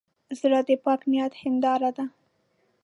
زړه د پاک نیت هنداره ده.